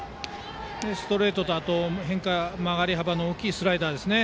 ストレートと変化、曲がり幅の大きいスライダーですね。